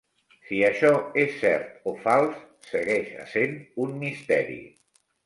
Si això és cert o fals segueix essent un misteri.